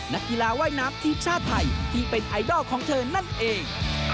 นักกีฬาว่ายน้ำทีมชาติไทยที่เป็นไอดอลของเธอนั่นเอง